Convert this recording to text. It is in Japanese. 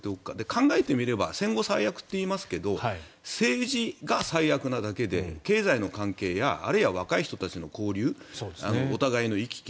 考えてみれば戦後最悪といいますが政治が最悪なだけで経済の関係やあるいは若い人たちの交流お互いの行き来。